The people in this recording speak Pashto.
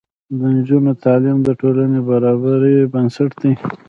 د نجونو تعلیم د ټولنې برابرۍ بنسټ دی.